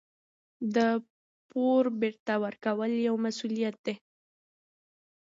د پور بېرته ورکول یو مسوولیت دی.